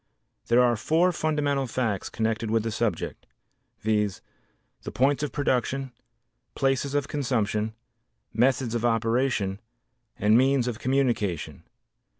There are four fundamental facts connected with the subject, viz., the points of production, places of consumption, methods of operation and means of communication.